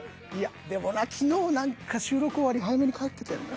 でもな昨日何か収録終わり早めに帰ってたよな。